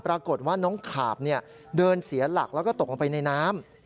ปรากฏว่าน้องขาบเดินเสียหลักแล้วก็ตกลงไปในน้ำ